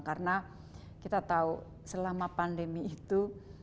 karena kita tahu selama pandemi itu